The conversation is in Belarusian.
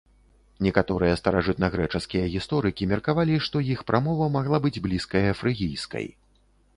Некаторыя старажытнагрэчаскія гісторыкі меркавалі, што іх прамова магла быць блізкая фрыгійскай.